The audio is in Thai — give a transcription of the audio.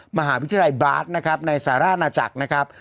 มหาวิทยาลัยบราชนะครับในสหราชนาจักรนะครับ